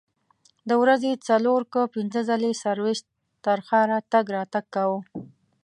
د ورځې څلور که پنځه ځلې سرویس تر ښاره تګ راتګ کاوه.